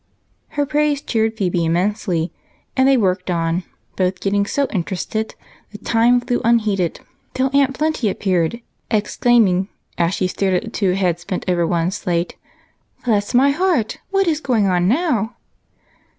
Her praise cheered Phebe immensely, and they went bravely on, both getting so interested that time flew unheeded till Aunt Plenty appeared, exclaiming, as she stared at the two heads bent over one slate, —" Bless my heart, what is going on now